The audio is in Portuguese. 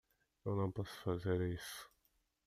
Eu não posso fazer isso.